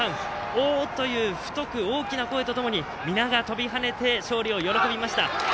「おー！」という太く大きな声とともに皆が跳びはねて勝利を喜びました。